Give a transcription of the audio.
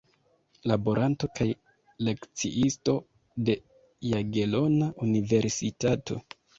Laboranto kaj lekciisto de Jagelona Universitato.